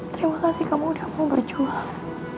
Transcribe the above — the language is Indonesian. terima kasih kamu udah mau berjuang